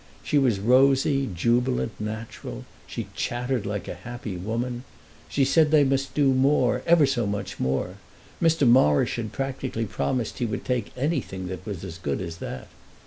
She was rosy, jubilant, natural, she chattered like a happy woman. She said they must do more, ever so much more. Mr. Morrish had practically promised he would take anything that was as good as that.